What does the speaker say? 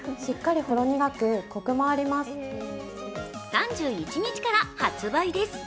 ３１日から発売です。